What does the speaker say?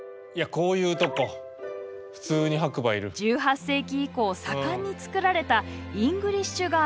１８世紀以降盛んに造られたイングリッシュガーデン。